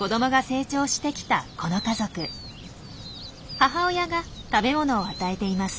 母親が食べ物を与えています。